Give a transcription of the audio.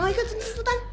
oh iya betan betan